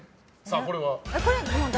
これは？